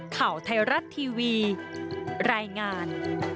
ข่าวไทยรัฐทีวีรายงาน